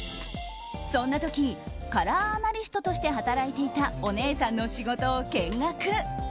そんな時カラーアナリストとして働いていたお姉さんの仕事を見学。